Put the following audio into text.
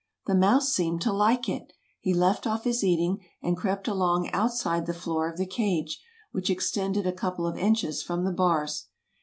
The mouse seemed to like it. He left off his eating and crept along outside the floor of the cage, which extended a couple of inches from the bars.